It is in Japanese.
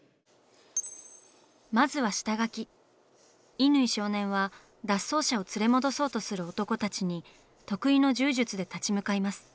乾少年は脱走者を連れ戻そうとする男たちに得意の柔術で立ち向かいます。